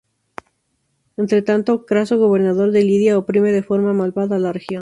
Entre tanto, Craso, gobernador de Lidia, oprime de forma malvada a la región.